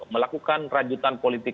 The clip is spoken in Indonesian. melakukan rajutan politik